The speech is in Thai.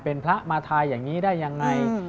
เป็นพระมาทายอย่างนี้ได้ยังไง